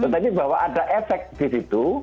tapi bahwa ada efek di situ